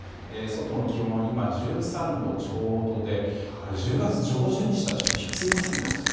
外の気温は今、１３度ちょうどで１０月上旬にしてはちょっと低すぎませんか。